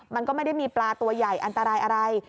มันก็ไม่ได้มีปลาตัวใหญ่อันตรายอะไร